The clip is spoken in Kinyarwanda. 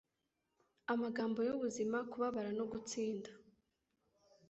Amagambo Yubuzima, Kubabara no gutsinda